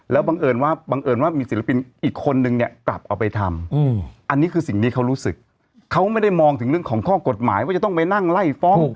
แล้วบังเอิญว่าบังเอิญว่ามีศิลปินอีกคนนึงเนี่ยกลับเอาไปทำอันนี้คือสิ่งที่เขารู้สึกเขาไม่ได้มองถึงเรื่องของข้อกฎหมายว่าจะต้องไปนั่งไล่ฟ้อง